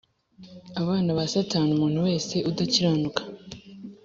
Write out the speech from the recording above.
abana ba Satani Umuntu wese udakiranuka